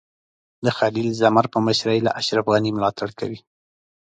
د خلیل زمر په مشرۍ له اشرف غني ملاتړ کوي.